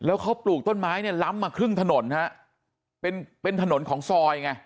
แล้วเขาปลูกต้นไม้เนี่ยล้ำมาครึ่งถนนฮะเป็นเป็นถนนของซอยไง